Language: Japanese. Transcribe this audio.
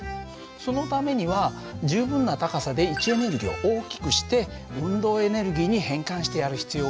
そのためには十分な高さで位置エネルギーを大きくして運動エネルギーに変換してやる必要があるんだね。